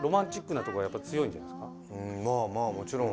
まあまあもちろん。